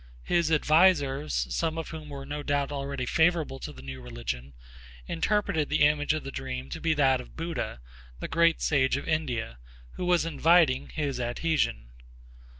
His advisers, some of whom were no doubt already favorable to the new religion, interpreted the image of the dream to be that of Buddha, the great sage of India, who was inviting his adhesion.